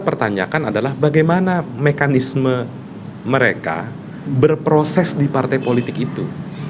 pertanyakan adalah bagaimana mekanisme mereka berproses di partai politik itu